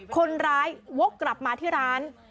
คนร้ายวกกลับมาที่ร้าน